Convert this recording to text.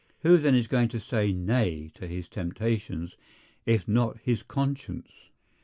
Who then is going to say Nay to his temptations if not his conscience?